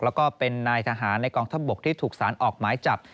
แล้วก็เป็นนายทหารในกองทัพบกที่ถูกสารออกหมายจับ